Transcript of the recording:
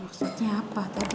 maksudnya apa tadi